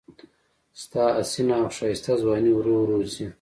ستا حسینه او ښایسته ځواني ورو ورو ځي